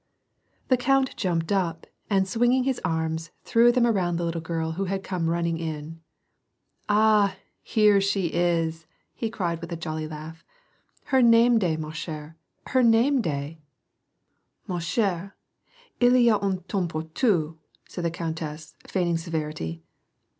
The count jumped up, and swinging his arms, threw them around the little girl who had come running in. " Ah ! here she is " he cried, with a jolly laugh. " Iler name day, ma ch^re, her name day !" "Ma e/i^re, ily a uii temps 2>our touf,^^* said the countess, feigning severity.